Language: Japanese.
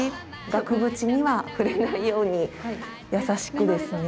額縁には触れないように優しくですね。